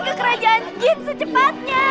ke kerajaan jin secepatnya